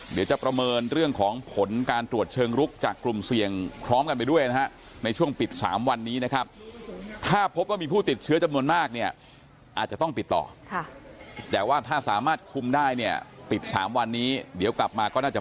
เดี๋ยวจะประเมินเรื่องของผลการตรวจเชิงลุกจากกลุ่มเสี่ยงพร้อมกันไปด้วยนะฮะ